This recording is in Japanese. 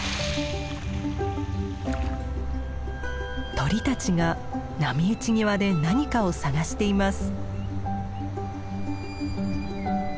鳥たちが波打ち際で何かを探しています。